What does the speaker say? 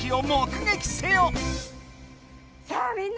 さあみんな！